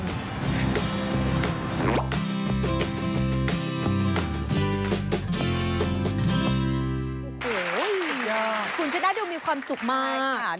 โอ้โหคุณช่วยได้ดูมีความสุขมาก